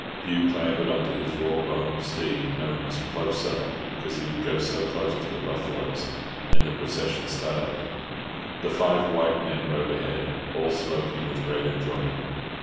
Hugh clambered on to his raw boned steed, known as "Close Up," because he would go so close to the buffaloes, and the procession started. The five white men rode ahead, all smoking with great enjoyment.